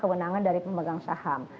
kewenangan dari pemegang saham